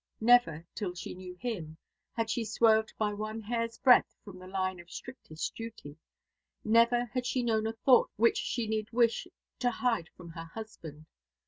Never, till she knew him, had she swerved by one hair's breadth from the line of strictest duty; never had she known a thought which she need wish to hide from her husband.